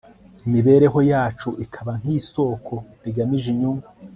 imibereho yacu ikaba nk'isoko rigamije inyungu